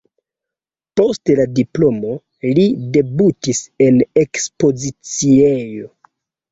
Post la diplomo li debutis en ekspoziciejo.